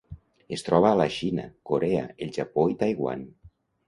Es troba a la Xina, Corea, el Japó i Taiwan.